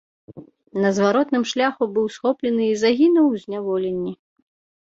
На зваротным шляху быў схоплены і загінуў у зняволенні.